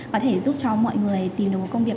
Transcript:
có thể giúp cho mọi người tìm được một công việc